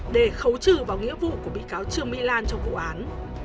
để khấu trừ vào nghĩa vụ của bị cáo trương mỹ lan trong vụ án